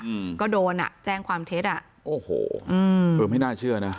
อืมก็โดนอ่ะแจ้งความเท็จอ่ะโอ้โหอืมเออไม่น่าเชื่อนะ